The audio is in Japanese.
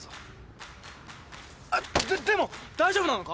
あっででも大丈夫なのか？